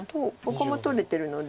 ここも取れてるので。